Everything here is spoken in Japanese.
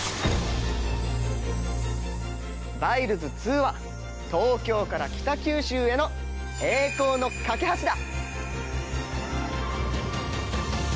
バイルズ２は東京から北九州への栄光の架け橋だ！